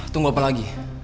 tunggu apa lagi